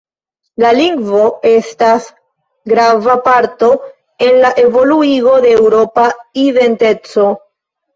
La lingvo estas grava parto en la evoluigo de eŭropa identeco.